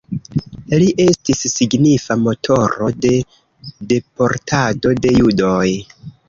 Li estis signifa motoro de deportado de judoj.